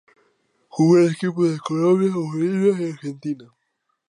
Jugó en equipos de Colombia, Bolivia y Argentina.